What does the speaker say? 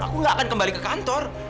aku gak akan kembali ke kantor